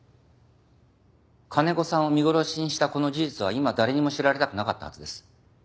金子さんを見殺しにしたこの事実は今誰にも知られたくなかったはずです。